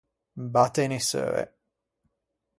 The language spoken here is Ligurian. Batte e nisseue.